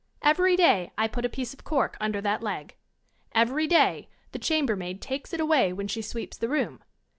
Every day I put a piece of cork under that leg. Every day the chambermaid takes it away when she sweeps the room.